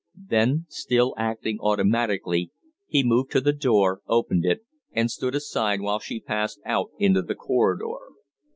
Then, still acting automatically, he moved to the door, opened it, and stood aside while she passed out into the corridor.